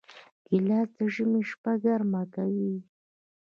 ګیلاس د ژمي شپه ګرمه کوي.